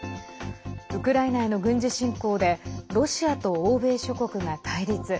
ウクライナへの軍事侵攻でロシアと欧米諸国が対立。